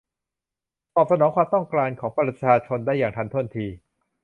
ตอบสนองความต้องการของประชาชนได้อย่างทันท่วงที